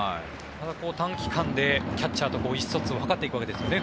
短期間でキャッチャーと意思疎通を図っていくわけですよね。